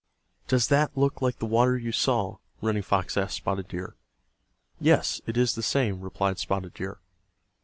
"Does that look like the water you saw!" Running Fox asked Spotted Deer. "Yes, it is the same," replied Spotted Deer.